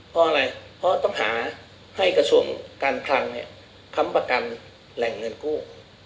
เพราะอะไรเพราะต้องหาให้กระทรวงการคลังค้ำประกันแหล่งเงินกู้